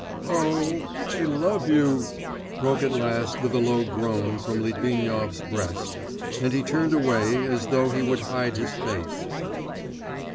'Oh! I love you!' broke at last with a low groan from Litvinov's breast, and he turned away, as though he would hide his face.